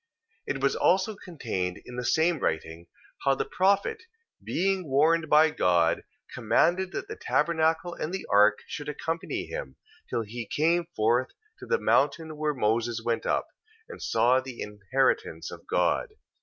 2:4. It was also contained in the same writing, how the prophet, being warned by God, commanded that the tabernacle and the ark should accompany him, till he came forth to the mountain where Moses went up, and saw the inheritance of God.